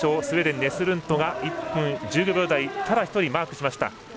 スウェーデン、ネスルントが１分１５秒台をただ１人、マークしました。